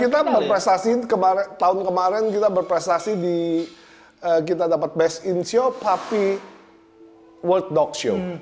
kita berprestasi tahun kemarin kita berprestasi di kita dapat best in show tapi world dolk show